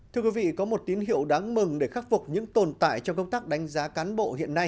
thưa quý vị có một tín hiệu đáng mừng để khắc phục những tồn tại trong công tác đánh giá cán bộ hiện nay